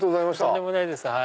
とんでもないです。